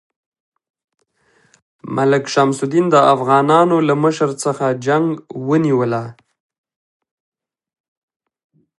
ملک شمس الدین د افغانانو له مشر څخه جنګ ونیوله.